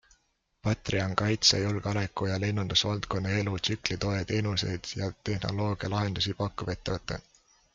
Patria on kaitse-, julgeoleku- ja lennundusvaldkonna elutsüklitoe teenuseid ja tehnoloogialahendusi pakkuv ettevõte.